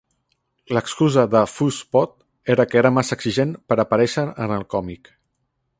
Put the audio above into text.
L'excusa de Fuss Pot era que era massa exigent per aparèixer en el còmic.